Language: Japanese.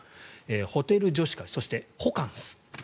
ホテル女子会そしてホカンス。